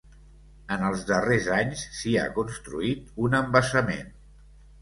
En els darrers anys s'hi ha construït un embassament.